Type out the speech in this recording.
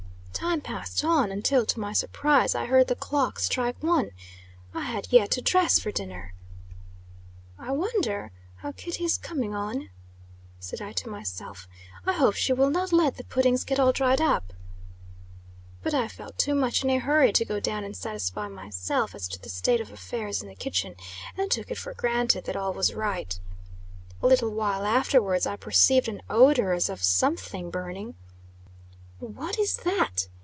Time passed on until, to my surprise, I heard the clock strike one. I had yet to dress for dinner. "I wonder how Kitty is coming on?" said I to myself. "I hope she will not let the puddings get all dried up." But, I felt too much in a hurry to go down and satisfy myself as to the state of affairs in the kitchen; and took it for granted that all was right. A little while afterwards, I perceived an odor as of something burning. "What is that?"